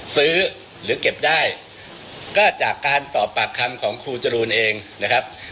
หรือเก็บได้ก็จากการสอบปากคำของครูจรูนเองนะครับ